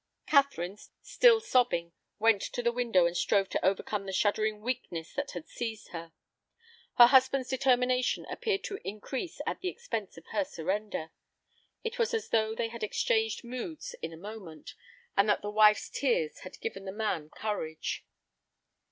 Catherine, still sobbing, went to the window and strove to overcome the shuddering weakness that had seized her. Her husband's determination appeared to increase at the expense of her surrender. It was as though they had exchanged moods in a moment, and that the wife's tears had given the man courage.